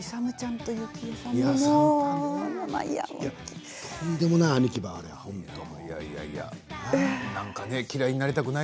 とんでもない兄貴ばい。